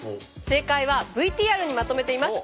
正解はＶＴＲにまとめています。